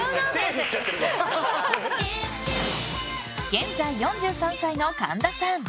現在４３歳の神田さん。